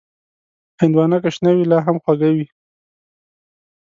هندوانه که شنه وي، لا هم خوږه وي.